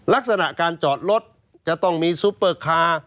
ลักษณะการจอดรถจะต้องมีซุปเปอร์คาร์